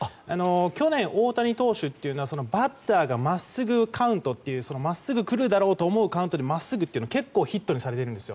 去年、大谷投手はバッターが真っすぐカウントという真っすぐ来るだろうと思うカウントに真っすぐっていうのを結構ヒットにされているんです。